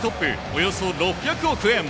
およそ６００億円。